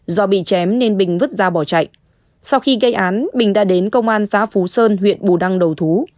do bị chém nên bình vứt ra bỏ chạy sau khi gây án bình đã đến công an xã phú sơn huyện bù đăng đầu thú